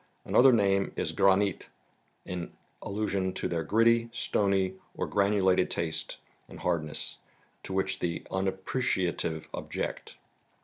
Another name is granites , in al¬ lusion to their gritty, stony, or granulated taste and hard¬ ness, to which the unappreciative object.